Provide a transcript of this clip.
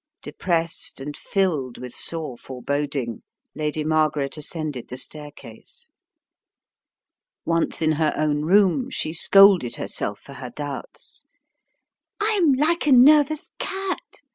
Depressed and filled with sore forebod ing, Lady Margaret ascended the staircase. Once in her own room, she scolded herself for her doubts. "I am like a nervous cat!"